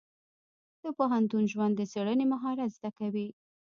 د پوهنتون ژوند د څېړنې مهارت زده کوي.